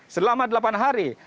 selama delapan hari